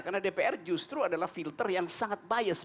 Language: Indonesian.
karena dpr justru adalah filter yang sangat bias